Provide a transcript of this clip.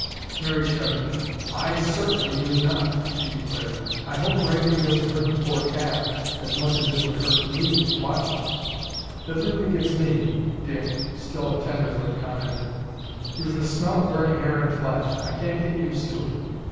Mary shuddered. "I certainly do not," she declared. "I hope branding doesn't hurt the poor calf half as much as it would hurt me to watch it." "The thing that gets me," Dick, still a tenderfoot, commented, "is the smell of burning hair and flesh. I can't get used to it."